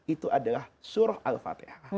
itu adalah surah al fatihah